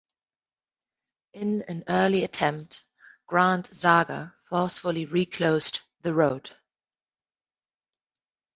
In an early attempt, Grand Saga forcefully reclosed the road.